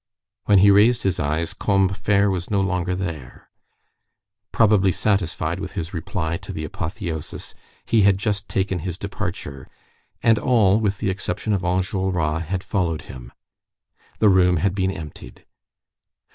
When he raised his eyes, Combeferre was no longer there. Probably satisfied with his reply to the apotheosis, he had just taken his departure, and all, with the exception of Enjolras, had followed him. The room had been emptied.